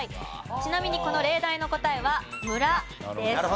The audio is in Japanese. ちなみにこの例題の答えは「村」です。